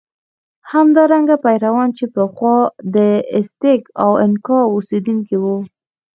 همدارنګه پیرویان چې پخوا د ازتېک او انکا اوسېدونکي وو.